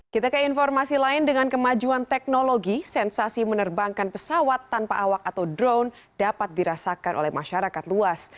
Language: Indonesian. kita ke informasi lain dengan kemajuan teknologi sensasi menerbangkan pesawat tanpa awak atau drone dapat dirasakan oleh masyarakat luas